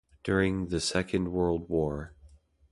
During the Second World War.